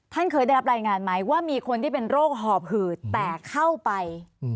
ท่านเคยได้รับรายงานไหมว่ามีคนที่เป็นโรคหอบหืดแต่เข้าไป